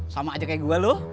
sama aja kayak gua lu